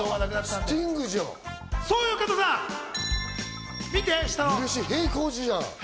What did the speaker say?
スティングじゃん！